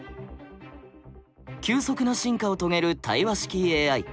急速な進化を遂げる対話式ＡＩ。